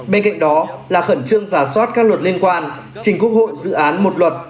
bên cạnh đó là khẩn trương giả soát các luật liên quan trình quốc hội dự án một luật